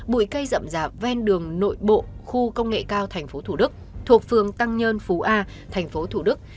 bụi cây rậm rạp ven đường nội bộ khu công nghệ cao tp thủ đức thuộc phường tăng nhân phú a tp thủ đức